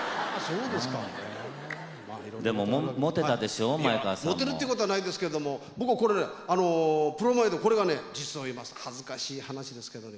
いやモテるってことはないんですけども僕はこれブロマイドこれがね実を言いますと恥ずかしい話ですけどね